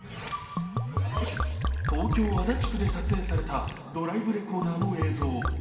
東京・足立区で撮影されたドライブレコーダーの映像。